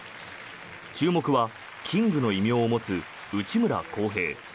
注目はキングの異名を持つ内村航平。